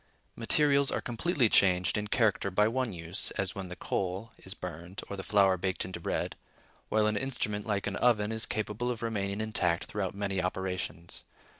Materials are completely changed in character by one use, as when the coal is burned, or the flour baked into bread; while an instrument, like an oven, is capable of remaining intact throughout many operations.